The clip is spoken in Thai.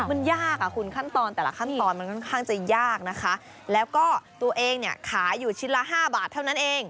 มันยากอ่ะคุณขั้นตอนแต่ละขั้นตอนมันค่อนข้างจะยากนะคะแล้วก็ตัวเองเนี่ยขายอยู่ชิ้นละ๕บาทเท่านั้นเอง